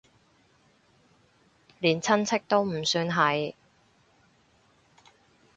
連親戚都唔算係